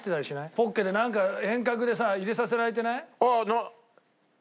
ポッケでなんか遠隔でさ入れさせられてない？ああ。